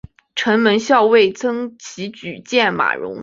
城门校尉岑起举荐马融。